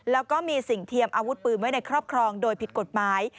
แล้วก็มีสิ่งเทียมอาวุธปืนไว้ในครอบครองโดยผิดกฎหมาย